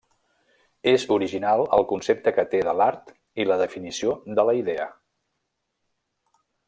És original el concepte que té de l'art i la definició de la idea.